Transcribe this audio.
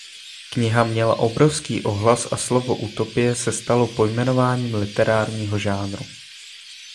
Kniha měla obrovský ohlas a slovo utopie se stalo pojmenováním literárního žánru.